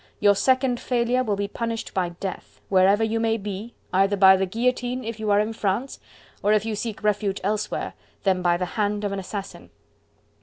Your second failure will be punished by death, wherever you may be, either by the guillotine, if you are in France, or if you seek refuge elsewhere, then by the hand of an assassin.